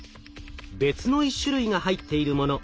別の１種類が入っているもの。